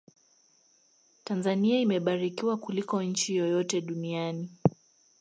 tanzania imebarikiwa kuliko nchi yoyote duniani